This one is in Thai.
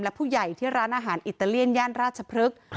และผู้ใหญ่ที่ร้านอาหารอิตาเลียนย่านราชพฤกษ์